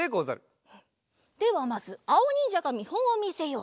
ではまずあおにんじゃがみほんをみせよう。